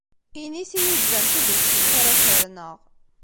Init-iyi-d anta deg-sent ara ferneɣ.